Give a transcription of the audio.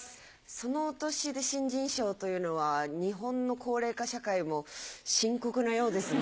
そのお年で新人賞というのは日本の高齢化社会も深刻なようですね。